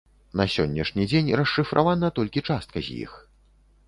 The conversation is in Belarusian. На сённяшні дзень расшыфравана толькі частка з іх.